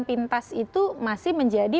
pintas itu masih menjadi